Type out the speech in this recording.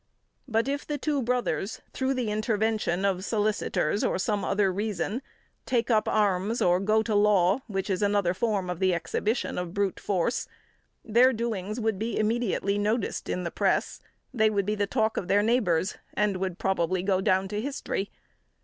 But if the two brothers, through the intervention of solicitors or some other reason, take up arms or go to law which is another form of the exhibition of brute force their doings would be immediately noticed in the press, they would be the talk of their neighbours, and would probably go down to history.